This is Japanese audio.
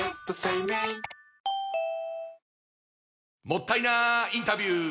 もったいなインタビュー！